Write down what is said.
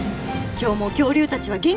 今日も恐竜たちは元気かな？